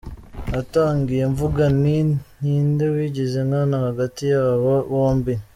Natangiye mvuga nti ninde wigiza nkana hagati y’aba bombi.